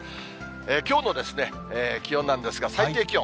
きょうの気温なんですが、最低気温。